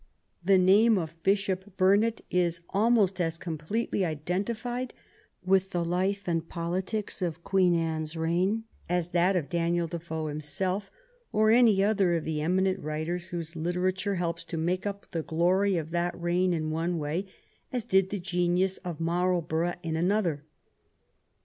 The name of Bishop Burnet is almost as completely identified with the life and politics of Queen Anne's reign as that of Daniel Defoe himself, or any other of the eminent writers whose literature helps to make up the glory of that reign in one way, as did the genius of Marlborou^ in another.